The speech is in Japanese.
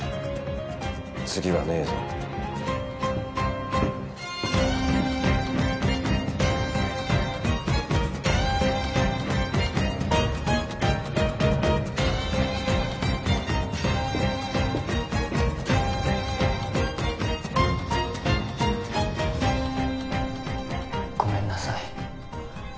次はねえぞごめんなさい